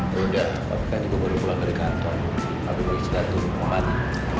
yaudah papi kan juga baru pulang dari kantor tapi mau istirahat dulu mau mati